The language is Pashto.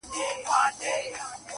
نیکه ویل چي دا پنځه زره کلونه کیږي-